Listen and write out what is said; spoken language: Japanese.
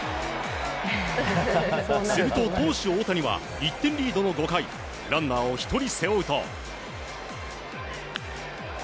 すると、投手・大谷は１点リードの５回ランナーを１人背負うと。